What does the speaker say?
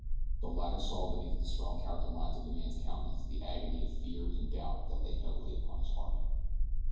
The latter saw beneath the strong character lines of the other's countenance the agony of fear and doubt that lay heavy upon his heart.